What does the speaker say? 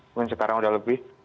mungkin sekarang sudah lebih